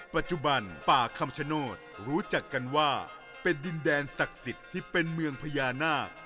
ปัจจุบันป่าคำชโนธรู้จักกันว่าเป็นดินแดนศักดิ์สิทธิ์ที่เป็นเมืองพญานาค